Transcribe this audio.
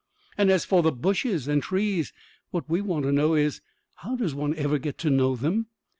And as for the bushes and trees, what we want to know is, How does one ever get to know them?